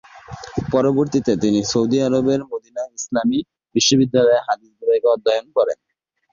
পরবর্তীতে তিনি সৌদি আরবের মদীনা ইসলামী বিশ্ববিদ্যালয়ে হাদিস বিভাগে অধ্যয়ন করেন।